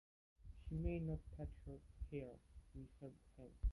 She may not touch her hair with her hands.